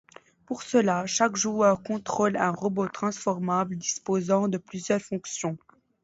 Pour cela, chaque joueur contrôle un robot transformable disposant de plusieurs fonctions.